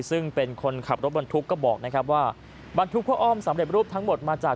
ซึ่งเป็นคนขับรถบรรทุกก็บอกนะครับว่าบรรทุกพระอ้อมสำเร็จรูปทั้งหมดมาจาก